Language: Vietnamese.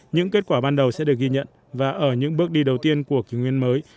những kết quả ban đầu sẽ được ghi nhận và ở những bước đi đầu tiên của kỷ nguyên mới